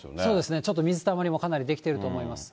ちょっと水たまりもかなりできてると思います。